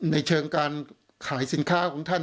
ในเชิงการขายสินค้าของท่าน